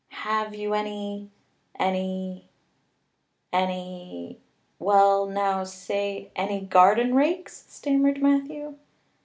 "Have you any any any well now, say any garden rakes?" stammered Matthew.